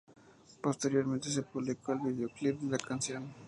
Posteriormente se publicó el videoclip de la canción.